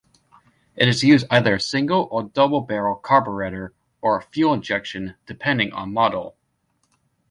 It used either a single or double-barrel carburetor or fuel injection, depending on model.